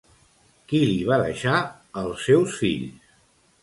Qui li va deixar els seus fills?